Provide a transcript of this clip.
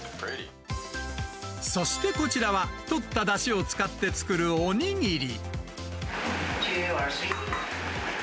そしてこちらは、とっただしを使って作るお握り。